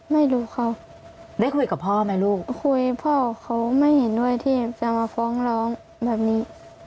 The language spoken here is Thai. ไม่รู้เขาได้คุยกับพ่อไหมลูกคุยพ่อเขาไม่เห็นด้วยที่จะมาฟ้องร้องแบบนี้